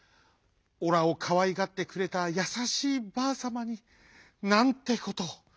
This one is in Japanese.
オラをかわいがってくれたやさしいばあさまになんてことを。